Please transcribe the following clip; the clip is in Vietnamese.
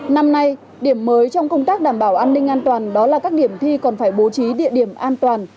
năm nay điểm mới trong công tác đảm bảo an ninh an toàn đó là các điểm thi còn phải bố trí địa điểm an toàn